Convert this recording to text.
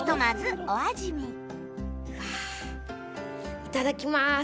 いただきます。